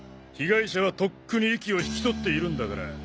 被害者はとっくに息を引き取っているんだから。